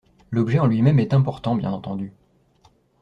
L’objet en lui-même est important, bien entendu.